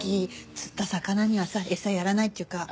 釣った魚にはさエサやらないっていうか。